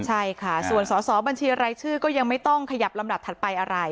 ใช่ค่ะส่วนสอสอบัญชีรายชื่อก็ยังไม่ต้องขยับลำดับถัดไปอะไร